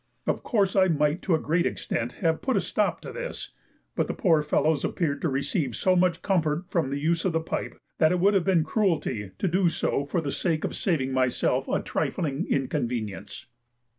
Of course I might to a great extent have put a stop to this, but the poor fellows appeared to receive so much comfort from the use of the pipe, that it would have been cruelty to do so for the sake of saving myself a trifling inconvenience.